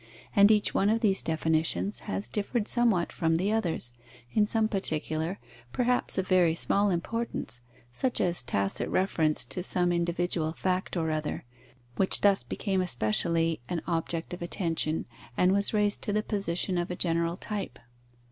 And each one of these definitions has differed somewhat from the others, in some particular, perhaps of very small importance, such as tacit reference to some individual fact or other, which thus became especially an object of attention and was raised to the position of a general type.